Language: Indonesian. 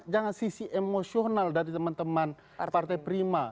jangan sisi emosional dari teman teman partai prima